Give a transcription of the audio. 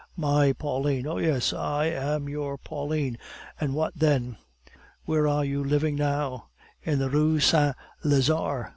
"My Pauline " "Oh yes, I am your Pauline and what then?" "Where are you living now?" "In the Rue Saint Lazare.